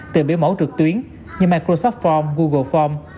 từ biểu mẫu trực tuyến như microsoft form google farm